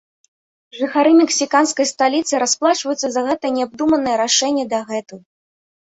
Жыхары мексіканскай сталіцы расплачваюцца за гэта неабдуманае рашэнне дагэтуль.